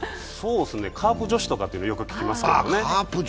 カープ女子とかってよく聞きますけどね。